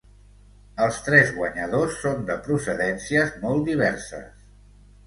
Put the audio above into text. Els tres guanyadors són de procedències molt diverses.